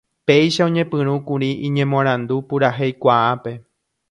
Péicha oñepyrũkuri iñemoarandu puraheikuaápe.